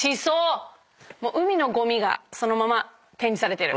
海のゴミがそのまま展示されてる。